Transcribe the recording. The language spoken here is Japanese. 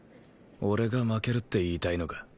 俺が負けるって言いたいのか？